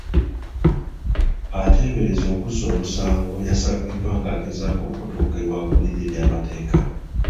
Ateeberezebwa okuzza omusango yasangiddwa ng'agezaako okutuuka ew'akulira eby'amateeka